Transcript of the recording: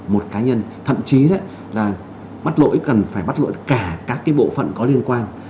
một cá nhân thậm chí là bắt lỗi cần phải bắt lỗi cả các cái bộ phận có liên quan